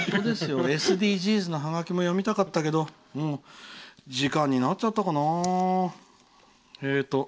ＳＤＧｓのはがきも読みたかったけど時間になっちゃったかな。